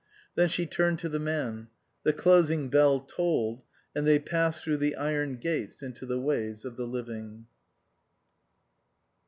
Then she turned to the man ; the closing bell tolled, and they passed through the iron gates into the ways of the living.